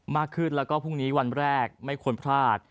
มากขึ้นแล้วก็พรุ่งนี้วันแรกไม่ควรพลาด